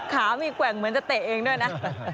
ขามีแกว่งเหมือนจะเตะเองด้วยนะ